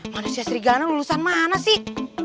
manusia serigana lulusan mana sih